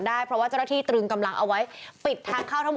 ได้เพราะว่าเจ้าหน้าที่ตรึงกำลังเอาไว้ปิดทางเข้าทั้งหมด